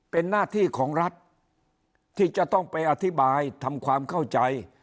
เป็นหน้าที่ของรัฐที่จะต้องไปอธิบายทำความเข้าใจ